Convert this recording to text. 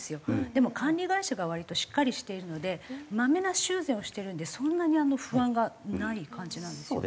でも管理会社が割としっかりしているのでまめな修繕をしてるんでそんなに不安がない感じなんですよね。